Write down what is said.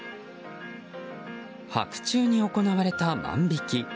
白昼に行われた万引き。